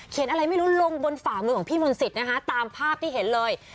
อะไรไม่รู้ลงบนฝ่ามือของพี่มนต์สิทธินะคะตามภาพที่เห็นเลย